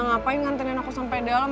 ngapain nantarin aku sampe dalam